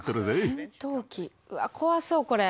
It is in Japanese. うわっ怖そうこれ。